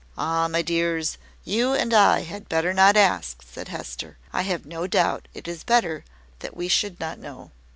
"Ah, my dears, you and I had better not ask," said Hester. "I have no doubt it is better that we should not know."